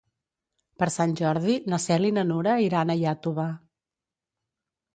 Per Sant Jordi na Cel i na Nura iran a Iàtova.